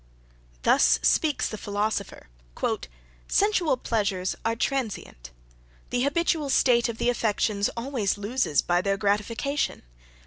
Thus speaks the philosopher. "Sensual pleasures are transient. The habitual state of the affections always loses by their gratification.